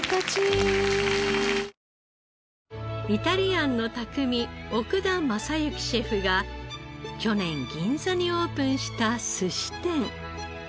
イタリアンの匠奥田政行シェフが去年銀座にオープンした寿司店。